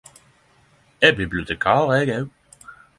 Er bibliotekar eg også.